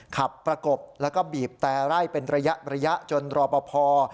ขับประกบแล้วก็บีบแตร่ายเป็นระยะจนรอประพอร์